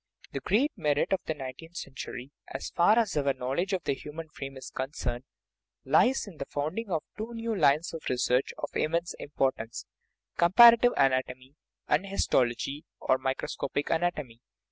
The great merit of the nineteenth century, as far as our knowledge of the human frame is concerned, lies in the founding of two new lines of research of immense importance comparative anatomy and histology, or microscopic anatomy.